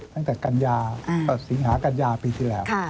ตั้งแต่ศิงหากัญญาปีที่แล้ว